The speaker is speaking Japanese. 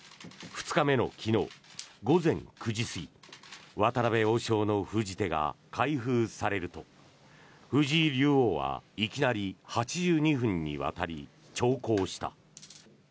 ２日目の昨日午前９時過ぎ渡辺王将の封じ手が開封されると藤井竜王はいきなり８２分にわたり長考した。